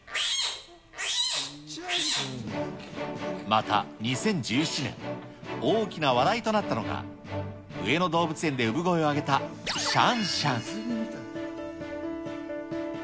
また、２０１７年、大きな話題となったのが、上野動物園で産声を上げたシャンシャン。